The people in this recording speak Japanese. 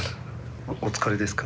お疲れですか？